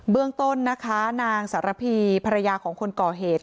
เรื่องต้นนะคะนางสารพีภรรยาของคนก่อเหตุ